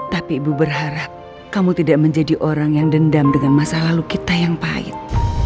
tapi ibu berharap kamu tidak menjadi orang yang dendam dengan masa lalu kita yang pahit